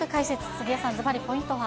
杉江さん、ずばりポイントは。